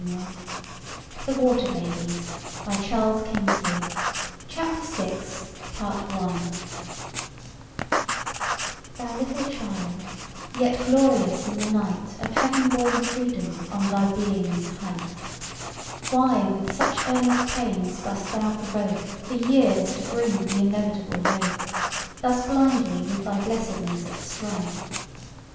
[Picture: Little both with mother] CHAPTER VI "Thou little child, yet glorious in the night Of heaven born freedom on thy Being's height, Why with such earnest pains dost thou provoke The Years to bring the inevitable yoke— Thus blindly with thy blessedness at strife?